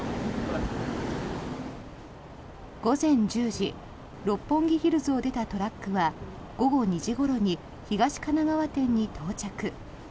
午前１０時六本木ヒルズを出たトラックは午後２時ごろに東神奈川店に到着。